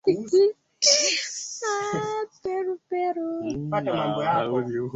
Andes huko Peru ambapo maji ya kuyeyuka